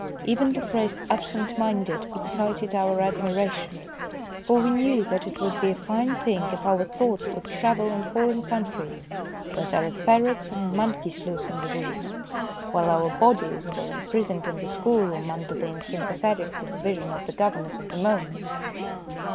Even the phrase " absent minded " excited our admiration ; for we knew that it would be a fine thing if our thoughts could travel in foreign coun tries, where there are parrots and monkeys loose in the woods, while our bodies were imprisoned in the schoolroom under the un sympathetic supervision of the governess of the moment.